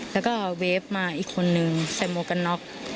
แล้วก็เวฟมาอีกคนหนึ่งไซโมกันน็อค